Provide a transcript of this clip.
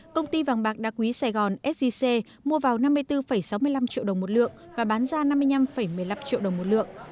công ty vàng bạc đa quý sài gòn sgc mua vào năm mươi bốn sáu mươi năm triệu đồng một lượng và bán ra năm mươi năm một mươi năm triệu đồng một lượng